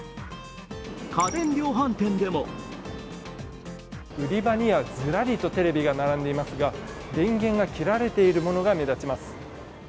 家電量販店でも売り場にはズラリとテレビが並んでいますが、電源が切られているものが目立ちます。